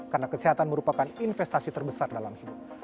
karena kesehatan merupakan investasi terbesar dalam hidup